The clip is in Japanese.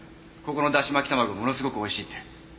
ここのだし巻き卵ものすごく美味しいって。